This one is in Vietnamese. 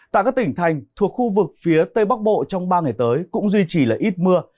tại các tỉnh thành thuộc khu vực phía tây bắc bộ trong ba ngày tới cũng duy trì là ít mưa